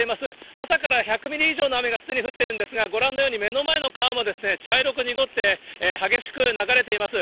朝から１００ミリ以上の雨がすでに降ってるんですが、ご覧のように目の前の川も茶色く濁って、激しく流れています。